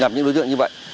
những đối tượng như vậy